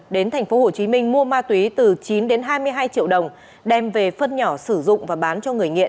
đến tp hcm mua ma túy từ chín đến hai mươi hai triệu đồng đem về phân nhỏ sử dụng và bán cho người nghiện